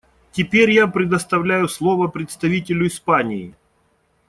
Теперь я предоставляю слово представителю Испании.